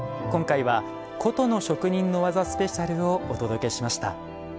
今回は「古都の職人の技スペシャル」をお届けしました。